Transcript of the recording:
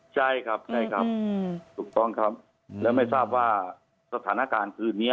ใช่ครับใช่ครับถูกต้องครับแล้วไม่ทราบว่าสถานการณ์คืนนี้